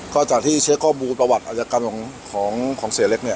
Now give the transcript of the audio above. ก็จากที่เช็คข้อมูลประวัติอาจกรรมของเสียเล็กเนี่ย